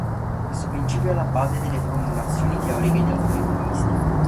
Questo principio è alla base delle formulazioni teoriche di alcuni economisti.